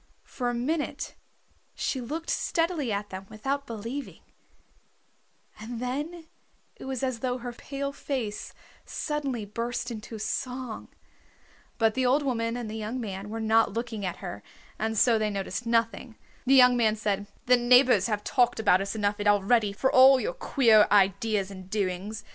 For a minute she looked steadily at them without believing, and then it was as though her pale face suddenly burst into song. But the old woman and the young man were not looking at her and so they noticed nothing. The young man said, "The neighbors have talked about us enough already for all your queer ideas and doings.